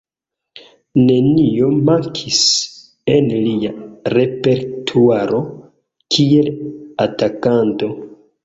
Nenio mankis en lia repertuaro kiel atakanto.